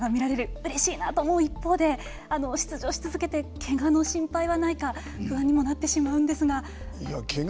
うれしいなと思う一方で出場し続けてけがの心配はないか不安にもなってしまうんですが。